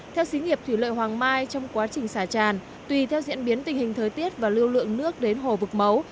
theo xí nghiệp thủy lợi hoàng mai trong quá trình xả tràn tùy theo diễn biến tình hình thời tiết và lưu lượng nước đến hồ vực mấu